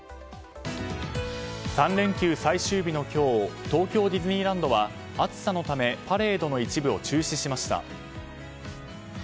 ３連休最終日の今日東京ディズニーランドは暑さのためパレードの一部を中止しました。